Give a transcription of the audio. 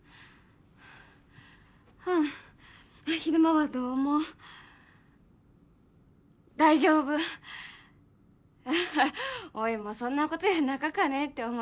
昼間はどうも大丈夫アッハおいもそんなことやなかかねって思う